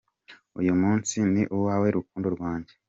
Uyu munsi ni uwawe, rukundo rwanjye.